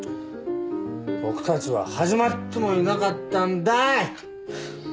僕たちは始まってもいなかったんだ！